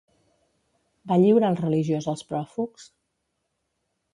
Va lliurar el religiós als pròfugs?